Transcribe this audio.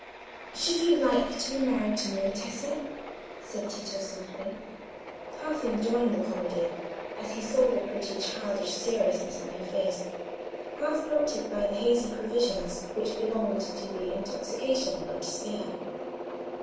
"Should you like to be married to me, Tessa?" said Tito, softly, half enjoying the comedy, as he saw the pretty childish seriousness on her face, half prompted by hazy previsions which belonged to the intoxication of despair.